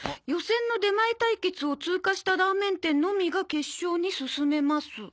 「予選の出前対決を通過したラーメン店のみが決勝に進めます」